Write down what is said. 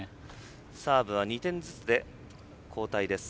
サーブは２点ずつで交代です。